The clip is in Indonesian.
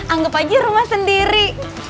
anggap aja rumah sendiri